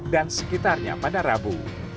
dan sekitarnya pada rabu